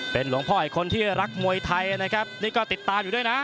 เป็นหลวงพ่ออีกคนที่รักมวยไทยนะครับนี่ก็ติดตามอยู่ด้วยนะ